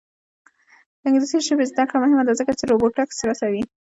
د انګلیسي ژبې زده کړه مهمه ده ځکه چې روبوټکس رسوي.